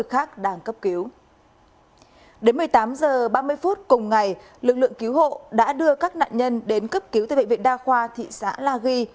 tám h ba mươi phút cùng ngày lực lượng cứu hộ đã đưa các nạn nhân đến cấp cứu tại bệnh viện đa khoa thị xã la ghi